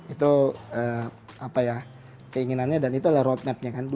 itu keinginannya dan itu adalah roadmapnya